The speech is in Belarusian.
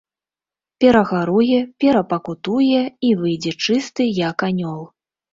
Перагаруе, перапакутуе і выйдзе чысты, як анёл.